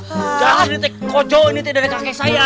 jangan ini kojo ini dari kakek saya